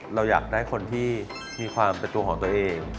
เราอยากได้คนที่มีความเป็นตัวของตัวเอง